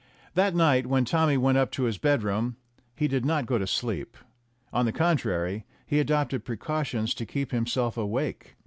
That night, when Tommy went up to his bedroom, he did not go to sleep; on the contrary, he adopted precautions to keep himself awake.